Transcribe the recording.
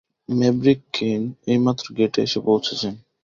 Maverick, Kane এইমাত্র গেটে এসে পৌঁছেছেন।